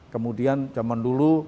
kemudian zaman dulu